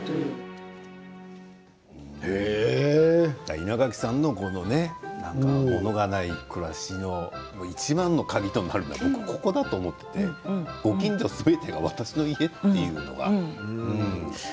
稲垣さんのこの物がない暮らしのいちばんの鍵となるのはここだと思っていてご近所すべてが私の家というのは。